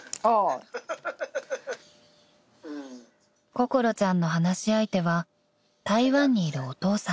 ［心ちゃんの話し相手は台湾にいるお父さん］